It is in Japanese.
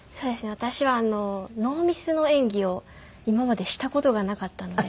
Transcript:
私はノーミスの演技を今までした事がなかったので。